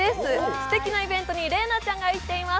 すてきなイベントに麗菜ちゃんが行っています。